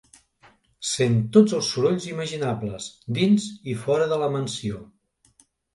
Sent tots els sorolls imaginables, dins i fora de la mansió.